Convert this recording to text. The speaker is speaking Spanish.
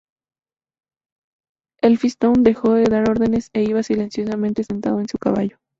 Elphinstone dejó de dar órdenes e iba silenciosamente sentado en su caballo.